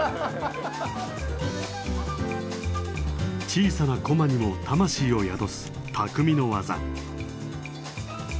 小さな駒にも魂を宿す匠の技。